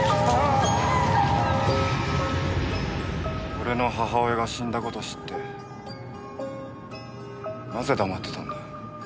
俺の母親が死んだ事知ってなぜ黙ってたんだ？